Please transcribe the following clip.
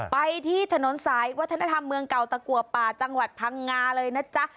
ไปที่ถนนสายวัฒนธรรมเมืองเก่าตะกัวป่าจังหวัดพังงาเลยนะจ๊ะ